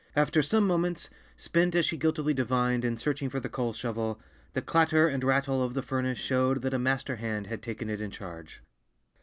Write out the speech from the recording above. After some moments—spent, as she guiltily divined, in searching for the coal shovel—the clatter and rattle of the furnace showed that a master hand had taken it in charge.